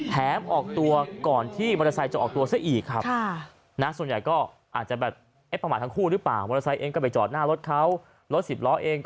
ออกตัวก่อนที่มอเตอร์ไซค์จะออกตัวซะอีกครับ